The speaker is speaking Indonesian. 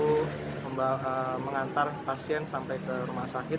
bisa membantu mengantar pasien sampai ke rumah sakit